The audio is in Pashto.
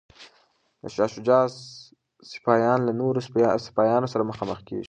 د شاه شجاع سپایان له نورو سپایانو سره مخامخ کیږي.